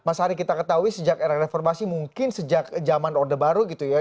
mas ari kita ketahui sejak era reformasi mungkin sejak zaman orde baru gitu ya